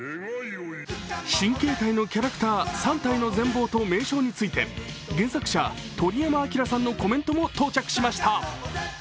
新形態のキャラクター３体の全貌と名称について原作者・鳥山明さんのコメントも到着しました。